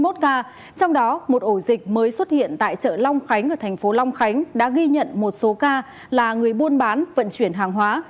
trong đó một ổ dịch mới xuất hiện tại chợ long khánh ở thành phố long khánh đã ghi nhận một số ca là người buôn bán vận chuyển hàng hóa